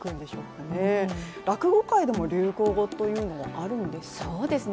落語界でも流行語というのはあるんでしょうかね。